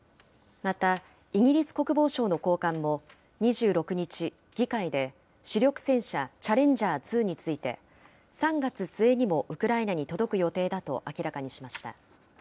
また、イギリス国防省の高官も２６日、議会で、主力戦車チャレンジャー２について、３月末にもウクライナに届く予定だと明らかにしました。